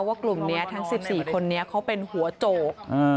กลุ่มนี้ทั้ง๑๔คนนี้เขาเป็นหัวโจก